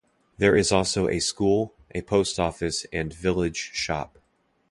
There is also a school, a post office and village shop.